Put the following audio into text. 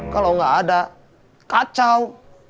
kalau nggak ada kacau